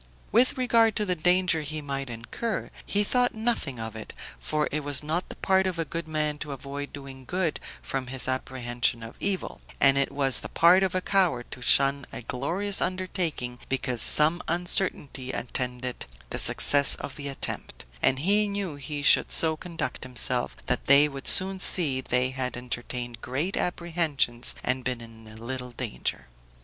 With regard to the danger he might incur, he thought nothing of it; for it was not the part of a good man to avoid doing good from his apprehension of evil, and it was the part of a coward to shun a glorious undertaking because some uncertainty attended the success of the attempt; and he knew he should so conduct himself, that they would soon see they had entertained great apprehensions and been in little danger.